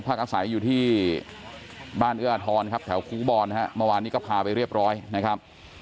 พระกัมศัยอยู่ที่บ้านเอื้ออทรแถวครูบอลมาวานนี้ก็พาไปเรียบร้อยนะครับ